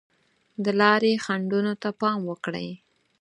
د لارې خنډونو ته پام وکړئ.